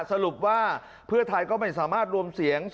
สรุปว่าเพื่อไทยก็ไม่สามารถรวมเสียง